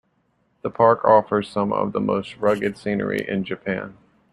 The park offers some of the most rugged scenery in Japan.